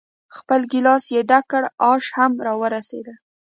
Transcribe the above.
خپل ګیلاس یې ډک کړ، آش هم را ورسېدل.